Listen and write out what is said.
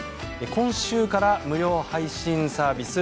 今週から無料配信サービス